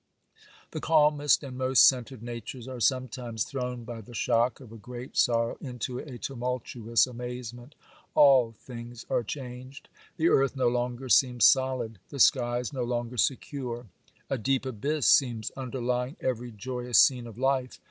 The calmest and most centred natures are sometimes thrown by the shock of a great sorrow into a tumultuous amazement. All things are changed. The earth no longer seems solid, the skies no longer secure; a deep abyss seems underlying every joyous scene of life.